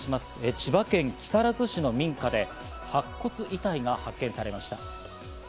千葉県木更津市の民家で白骨遺体が発見されました。